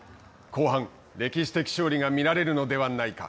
後半、歴史的勝利が見られるのではないか。